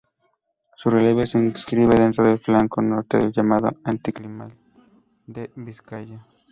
Su relieve se inscribe dentro del flanco norte del llamado anticlinal de Vizcaya.